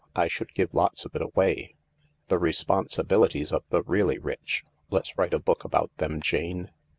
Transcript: I should give lots of it away. 1 The Responsibilities of the Really Rich.' Let's write a book about them, Jane.